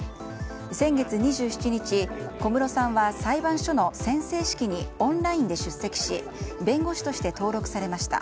先月２７日、小室さんは裁判所の宣誓式にオンラインで出席し弁護士として登録されました。